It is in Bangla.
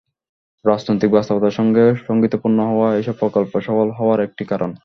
রাজনৈতিক বাস্তবতার সঙ্গে সংগতিপূর্ণ হওয়া এসব প্রকল্প সফল হওয়ার একটি কারণ।